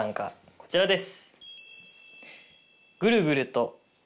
こちらです。